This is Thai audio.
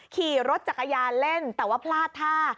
ขี่รถจักรยานเล่นแต่ว่าพลาดท่า